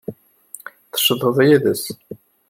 Tecḍeḥ yid-s.